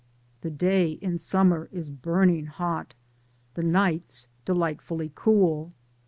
The day in summer is bummg hot; the nights delightfully cool.